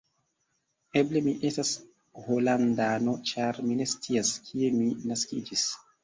Eble mi estas holandano, ĉar mi ne scias, kie mi naskiĝis.